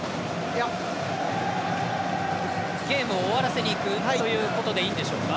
ゲームを終わらせにいくということでいいんでしょうか。